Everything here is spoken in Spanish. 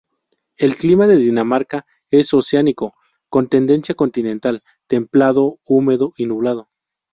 El clima de Dinamarca es oceánico con tendencia continental, templado, húmedo y nublado.